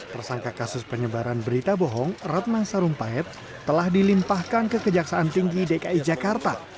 tersangka kasus penyebaran berita bohong ratna sarumpahit telah dilimpahkan ke kejaksaan tinggi dki jakarta